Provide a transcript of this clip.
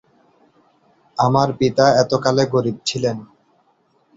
আমার পিতা এতকালে গরিব ছিলেন।